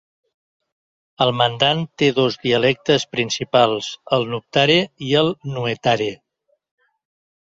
El mandan té dos dialectes principals: el nuptare i el nuetare.